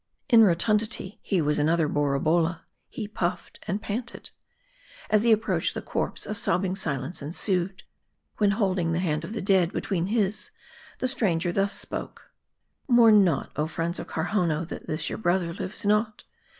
In rotundity, he was another Borabolla. He puffed and panted. As he approached the corpse, a sobbing silence ensued ; when holding the hand of the dead, between his, the stran ger thus spoke :" Mourn not, oh friends of Karhowiioo, that this your brother lives not.